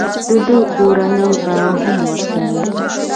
د ده کورنۍ به هم ورسره وي.